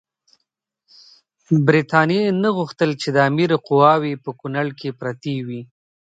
برټانیې نه غوښتل چې د امیر قواوې په کونړ کې پرتې وي.